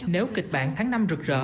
nếu kịch bản tháng năm rực rỡ